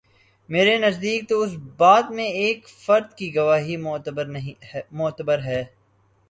میرے نزدیک تواس باب میں ایک فرد کی گواہی معتبر ہے۔